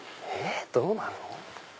どうなるの？